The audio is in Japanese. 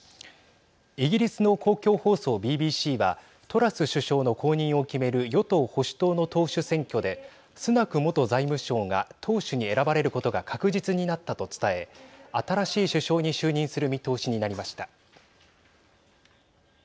イギリスの公共放送ＢＢＣはトラス首相の後任を決める与党・保守党の党首選挙でスナク元財務相が党首に選ばれることが確実になったと伝え新しい首相に就任する見通しになりました。